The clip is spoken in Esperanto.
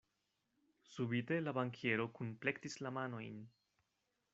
Subite la bankiero kunplektis la manojn.